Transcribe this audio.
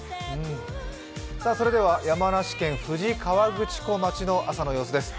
それでは山梨県富士河口湖町の朝の様子です。